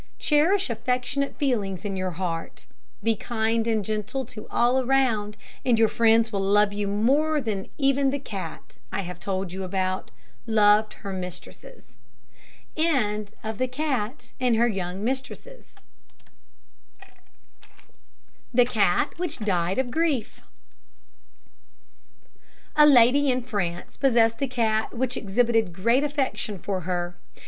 Cherish affectionate feelings in your hearts. Be kind and gentle to all around, and your friends will love you more even than the cat I have told you about loved her mistresses. THE CAT WHICH DIED OF GRIEF. A lady in France possessed a cat which exhibited great affection for her.